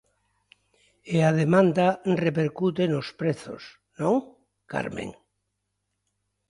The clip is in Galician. E a demanda repercute nos prezos, non, Carmen?